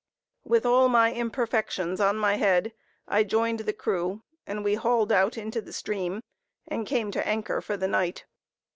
"With all my imperfections on my head," I joined the crew, and we hauled out into the stream, and came to anchor for the night.